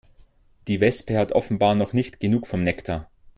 Die Wespe hat offenbar noch nicht genug vom Nektar.